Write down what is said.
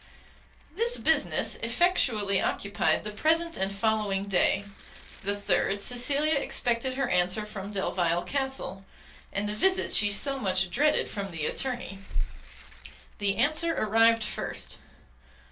This business effectually occupied the present and following day; the third, Cecilia expected her answer from Delvile Castle, and the visit she so much dreaded from the attorney. The answer arrived first.